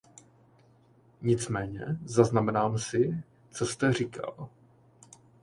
Nicméně zaznamenám si, co jste říkal.